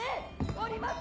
降ります！